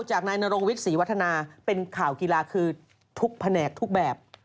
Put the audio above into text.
จากนายนรงวิทย์ศรีวัฒนาเป็นข่าวกีฬาคือทุกแผนกทุกแบบ